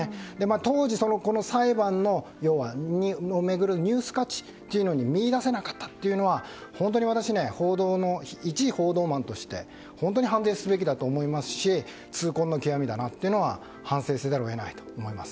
当時、この裁判を巡るニュース価値というのを見いだせなかったというのは本当に私、一報道マンとして本当に反省すべきだと思いますし痛恨の極みだなと思って反省せざるを得ないと思います。